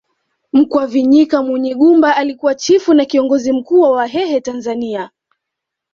Mkwavinyika Munyigumba alikuwa chifu na kiongozi mkuu wa Wahehe Tanzania